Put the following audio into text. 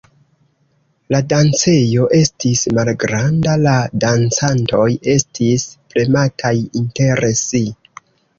La dancejo estis malgranda, la dancantoj estis premataj inter si.